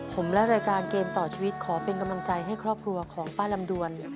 ผมและรายการเกมต่อชีวิตขอเป็นกำลังใจให้ครอบครัวของป้าลำดวน